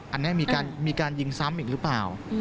อันนี้มีการยิงซ้ำอีกหรือเปล่า